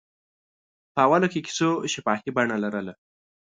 په اوله کې کیسو شفاهي بڼه لرله.